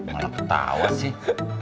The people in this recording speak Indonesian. malah ketawa sih